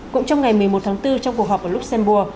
cũng trong ngày một mươi một tháng bốn trong cuộc họp ở luxembourg